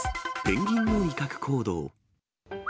ペンギンの威嚇行動。